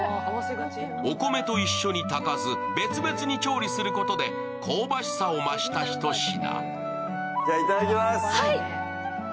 お米と一緒に炊かず、別々に調理することで香ばしさを増したひと品。